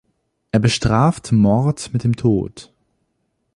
Er bestraft Mort mit dem Tod.